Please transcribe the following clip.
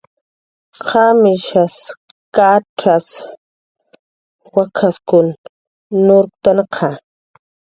¿Qamishas kacxasa, wak'askun nurktnqa?